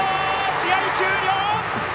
試合終了！